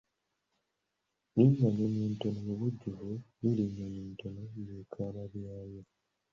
Erinnya Nnyonyintono mu bujjuvu liri Nnyonyintono yeekemba byoya.